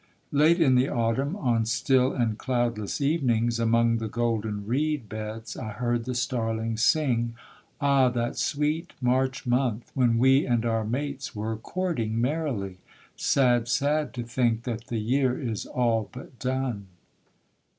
Late in the autumn, on still and cloudless evenings, Among the golden reed beds I heard the starlings sing 'Ah that sweet March month, when we and our mates were courting merrily; Sad, sad, to think that the year is all but done.'